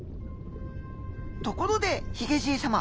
ところでヒゲじい様。